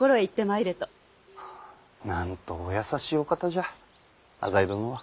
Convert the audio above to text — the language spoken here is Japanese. なんとお優しいお方じゃ浅井殿は。